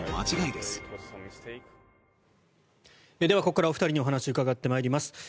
ではここからお二人にお話を伺ってまいります。